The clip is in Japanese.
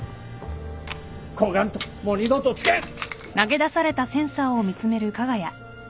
こがんともう二度と付けん！